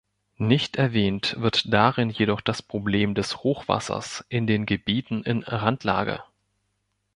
Nicht erwähnt wird darin jedoch das Problem des Hochwassers in den Gebieten in Randlage.